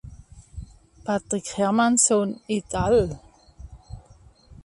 Patrik Hermansson et al.